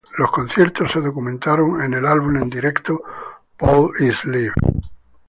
Los conciertos fueron documentados en el álbum en directo "Paul is Live!